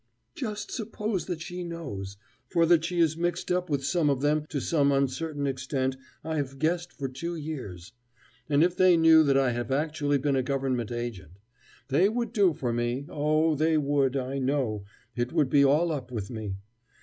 Just suppose that she knows! For that she is mixed up with some of them to some uncertain extent I have guessed for two years. And if they knew that I have actually been a Government agent; they would do for me, oh, they would, I know, it would be all up with me.